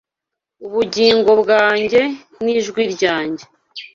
ubugingo bwanjye, n’ijwi ryanjye